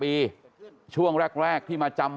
เมื่อยครับเมื่อยครับ